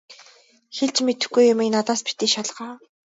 Хэлж мэдэхгүй юмыг надаас битгий шалгаа.